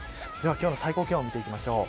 今日の最高気温を見ていきます。